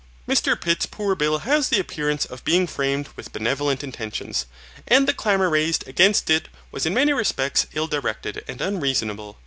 Mr Pitt's Poor Bill has the appearance of being framed with benevolent intentions, and the clamour raised against it was in many respects ill directed, and unreasonable.